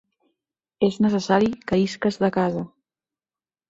És necessari que isques de casa.